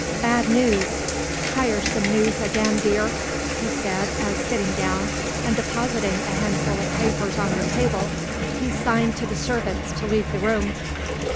"Bad news, tiresome news again, dear," he said as, sitting down and depositing a handful of papers on the table, he signed to the servants to leave the room.